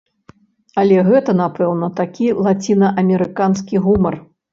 Але гэта, напэўна, такі лацінаамерыканскі гумар.